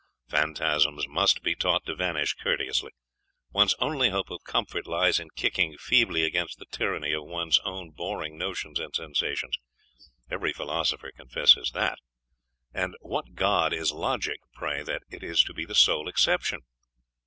Phantasms must be taught to vanish courteously. One's only hope of comfort lies in kicking feebly against the tyranny of one's own boring notions and sensations every philosopher confesses that and what god is logic, pray, that it is to be the sole exception?....